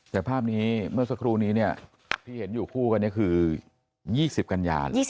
แต่ภาพนี้เมื่อสักครู่นี้เนี่ยที่เห็นอยู่คู่กันนี่คือ๒๐กันยาเลย